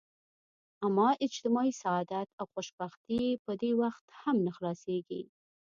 اما اجتماعي سعادت او خوشبختي په دې وخت هم نه حلاصیږي.